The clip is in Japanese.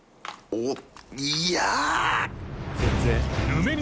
おっ？